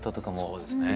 そうですね。